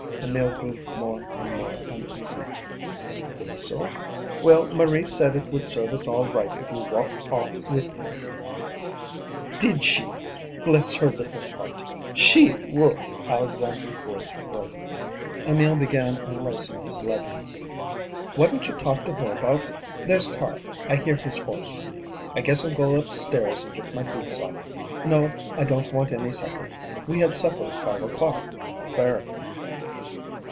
Emil grew more and more uneasy. "Think so? Well, Marie said it would serve us all right if you walked off with him." "Did she? Bless her little heart! SHE would." Alexandra's voice broke. Emil began unlacing his leggings. "Why don't you talk to her about it? There's Carl, I hear his horse. I guess I'll go upstairs and get my boots off. No, I don't want any supper. We had supper at five o'clock, at the fair."